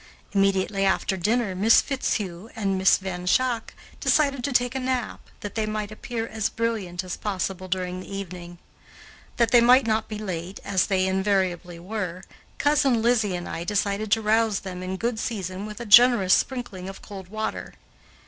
Immediately after dinner, Miss Fitzhugh and Miss Van Schaack decided to take a nap, that they might appear as brilliant as possible during the evening. That they might not be late, as they invariably were, Cousin Lizzie and I decided to rouse them in good season with a generous sprinkling of cold water.